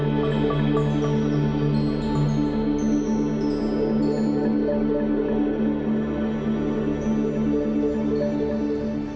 วัดไล่แตงทองจังหวัดนครปฐม